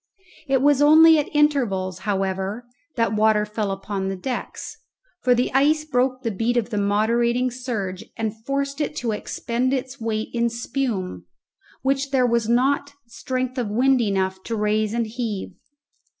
It was only at intervals, however, that water fell upon the decks, for the ice broke the beat of the moderating surge and forced it to expend its weight in spume, which there was not strength of wind enough to raise and heave.